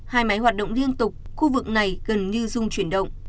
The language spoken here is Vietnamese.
hai máy hoạt động liên tục khu vực này gần như dung chuyển động